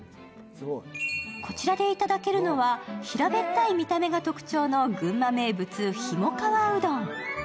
こちらでいただけるのは平べったい見た目が特徴の群馬名物、ひもかわうどん。